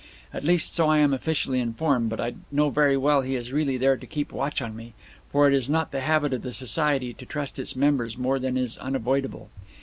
At least, so I am officially informed, but I know very well he is really there to keep watch on me, for it is not the habit of the society to trust its members more than is unavoidable.